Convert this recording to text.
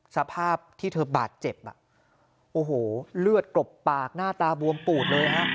สภาพที่เธอบาดเจ็บอ่ะโอ้โหเลือดกลบปากหน้าตาบวมปูดเลยฮะ